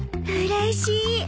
うれしい。